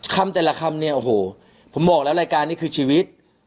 คำแต่ละคำเนี่ยโอ้โหผมบอกแล้วรายการนี้คือชีวิต